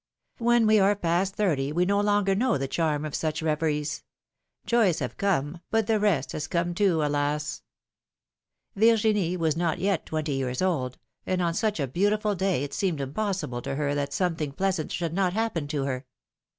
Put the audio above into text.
When we are past thirty we no longer know the charm of such reveries : joys have come, but the rest has come too, alas ! Virgiuie was not yet twenty years old, and on such a beautiful day it seemed impossible to her that something pleasant should not happen to her.